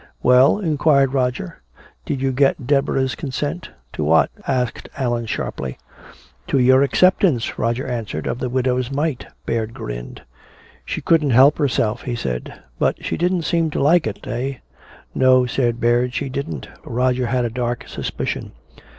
"Well?" inquired Roger. "Did you get Deborah's consent?" "To what?" asked Allan sharply. "To your acceptance," Roger answered, "of the widow's mite." Baird grinned. "She couldn't help herself," he said. "But she didn't seem to like it, eh " "No," said Baird, "she didn't." Roger had a dark suspicion.